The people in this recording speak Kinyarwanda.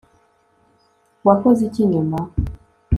wakoze iki nyuma